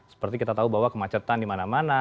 seperti kita tahu bahwa kemacetan dimana mana